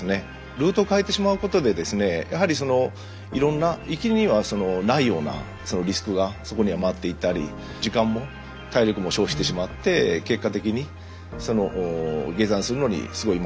ルートを変えてしまうことでですねやはりそのいろんな行きにはないようなリスクがそこには待っていたり時間も体力も消費してしまって結果的に下山するのにすごいリスクが生じてしまうと。